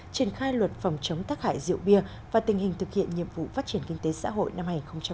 triển khai luật phòng chống tác hại rượu bia và tình hình thực hiện nhiệm vụ phát triển kinh tế xã hội năm hai nghìn một mươi chín